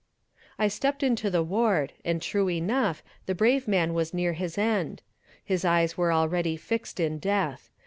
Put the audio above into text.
"I stepped into the ward, and true enough, the brave man was near his end. His eyes were already fixed in death.